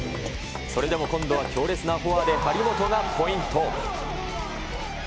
それでも今度は強烈なフォアで張本がポイント。